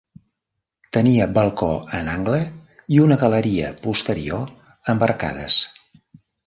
Tenia balcó en angle i una galeria posterior amb arcades.